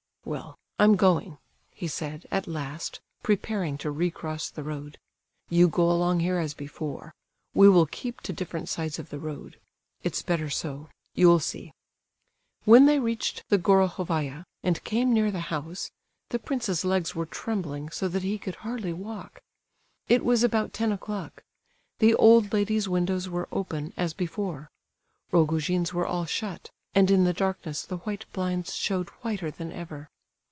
"Well, I'm going," he said, at last, preparing to recross the road. "You go along here as before; we will keep to different sides of the road; it's better so, you'll see." When they reached the Gorohovaya, and came near the house, the prince's legs were trembling so that he could hardly walk. It was about ten o'clock. The old lady's windows were open, as before; Rogojin's were all shut, and in the darkness the white blinds showed whiter than ever.